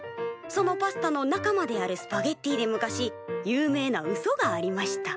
そのパスタの仲間であるスパゲッティで昔有名なうそがありました」。